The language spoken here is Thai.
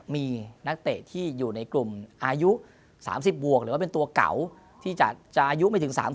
มีนักเตะที่อยู่ในกลุ่มอายุ๓๐บวกหรือว่าเป็นตัวเก่าที่จะอายุไม่ถึง๓๐